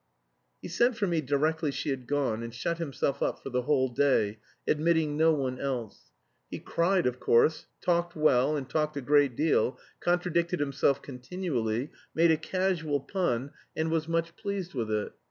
He sent for me directly she had gone and shut himself up for the whole day, admitting no one else. He cried, of course, talked well and talked a great deal, contradicted himself continually, made a casual pun, and was much pleased with it.